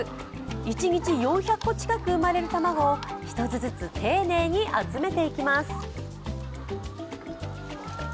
一日４００個近く生まれる卵を一つずつ丁寧に集めていきます。